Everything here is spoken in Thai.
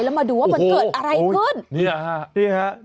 แล้วมาดูว่าเหมือนเกิดอะไรขึ้น